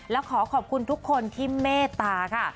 และขอขอบคุณทุกคนที่เมตตาค่ะ